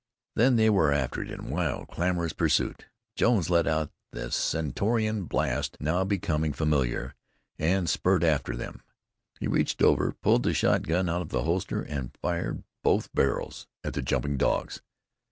Then they were after it in wild, clamoring pursuit. Jones let out the stentorian blast, now becoming familiar, and spurred after them. He reached over, pulled the shotgun out of the holster and fired both barrels at the jumping dogs.